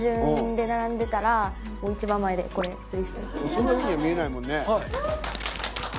そんなふうには見えないもんね。